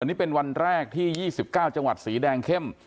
วันนี้เป็นวันแรกที่๒๙จังหวัดสีแดงเข้ม